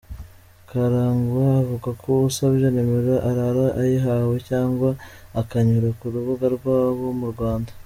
Karangwa avuga ko usabye nimero arara ayihawe cyangwa akanyura ku rubuga rwabo mu Rwanda.